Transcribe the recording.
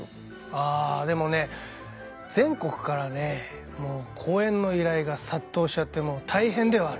ああでもね全国からね講演の依頼が殺到しちゃってもう大変ではあるわ。